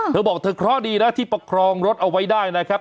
เธอบอกเธอเคราะห์ดีนะที่ประคองรถเอาไว้ได้นะครับ